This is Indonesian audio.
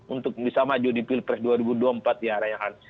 untuk bisa maju di pilpres dua ribu dua puluh empat ya reinhard